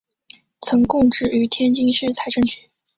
曾供职于天津市财政局。